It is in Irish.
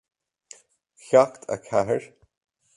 Ceacht a Ceathair